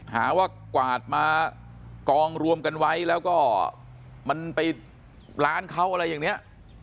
หาว่ากวาดมากองรวมกันไว้แล้วก็มันไปร้านเขาอะไรอย่างนี้